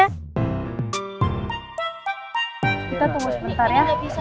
kita tunggu sebentar ya